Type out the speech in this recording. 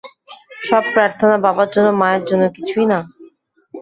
সব প্রার্থণা বাবার জন্য মায়ের জন্য কিছুই না?